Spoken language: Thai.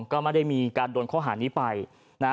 ก็ไม่ได้มีการโดนข้อหานี้ไปนะฮะ